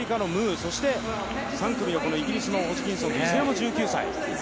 そして３組のイギリスのホジキンソンいずれも１９歳。